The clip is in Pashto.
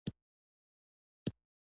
د تیاتر ننداره د ریښتیني هنر نښه ده.